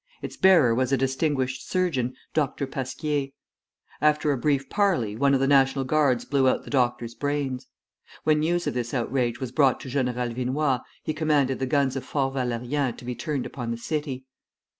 Its bearer was a distinguished surgeon, Dr. Pasquier. After a brief parley, one of the National Guards blew out the doctor's brains. When news of this outrage was brought to General Vinoy, he commanded the guns of Fort Valérien to be turned upon the city.